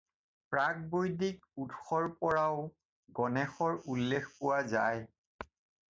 প্ৰাক-বৈদিক উৎসৰ পৰাও গণেশৰ উল্লেখ পোৱা যায়।